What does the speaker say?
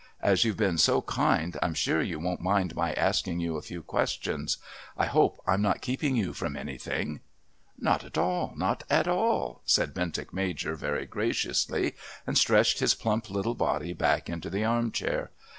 As you've been so kind I'm sure you won't mind my asking you a few questions. I hope I'm not keeping you from anything." "Not at all. Not at all," said Bentinck Major very graciously, and stretching his plump little body back into the arm chair.